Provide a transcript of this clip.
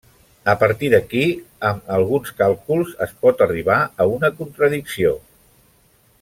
A partir d'aquí amb alguns càlculs es pot arribar a una contradicció.